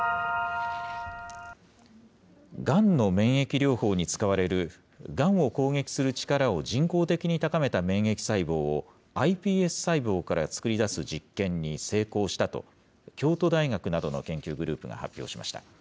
がんの免疫療法に使われる、がんを攻撃する力を人工的に高めた免疫細胞を、ｉＰＳ細胞から作り出す実験に成功したと、京都大学などの研究グループが発表しました。